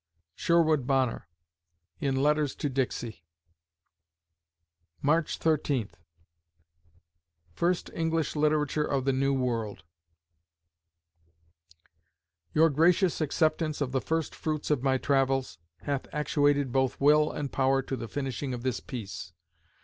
SHERWOOD BONNER (In Letters to Dixie) March Thirteenth FIRST ENGLISH LITERATURE OF THE NEW WORLD Your gracious acceptance of the first fruits of my travels ... hath actuated both Will and Power to the finishing of this Peece